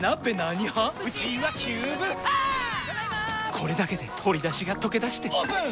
これだけで鶏だしがとけだしてオープン！